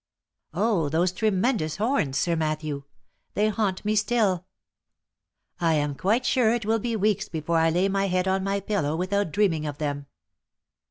Oh ! those tremendous horns, Sir Matthew ! they haunt me still ! I am quite sure it will be weeks before I lay my head on my pillow without dreaming of them.